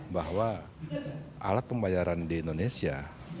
bahwa alat pembayaran di indonesia